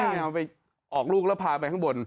แมวไปออกลูกแล้วพาไปข้างบน